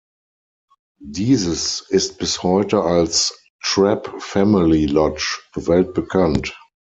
Dieses ist bis heute als "Trapp Family Lodge" weltbekannt.